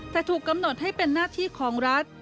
แต่ถูกกำหนดให้เป็นหน้าที่ของรัฐ